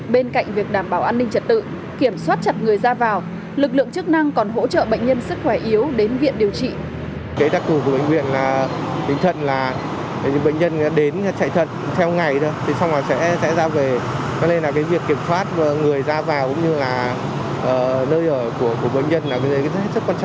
bên cạnh việc đảm bảo an ninh trật tự kiểm soát chặt người ra vào lực lượng chức năng còn hỗ trợ bệnh nhân sức khỏe yếu đến viện điều trị